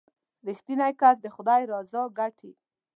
• رښتینی کس د خدای رضا ګټي.